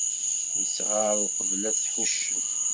Ittɣar uqbel ad t-ḥuccen.